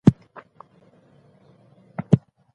ډېر امریکایان اړتیا ته مطابق خوب نه کوي.